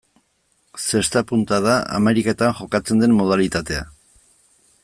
Zesta-punta da Ameriketan jokatzen den modalitatea.